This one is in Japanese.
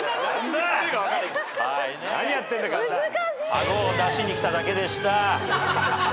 顎を出しにきただけでした。